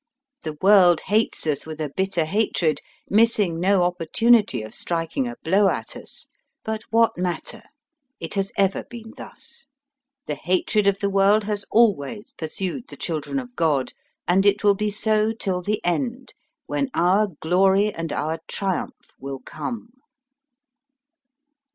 The world hates us with a bitter hatred, missing no opportunity of striking a blow at us. But what matter ? It has ever been thus. The hatred of the world has always pursued the children of God, and it will be so till the end, when our glory and our triumph will come."